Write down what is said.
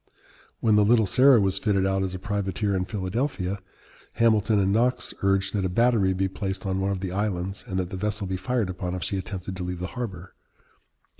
When the Little Sarah was fitted out as a privateer in Philadelphia, Hamilton and Knox urged that a battery be placed on one of the islands and that the vessel be fired upon if she attempted to leave the harbor.